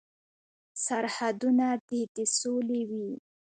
سرحدونه دې د سولې وي.